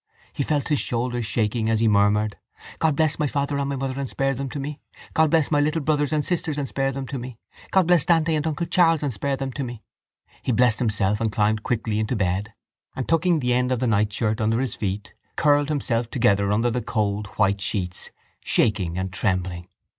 He felt his shoulders shaking as he murmured: God bless my father and my mother and spare them to me! God bless my little brothers and sisters and spare them to me! God bless Dante and uncle Charles and spare them to me! He blessed himself and climbed quickly into bed and, tucking the end of the nightshirt under his feet, curled himself together under the cold white sheets, shaking and trembling.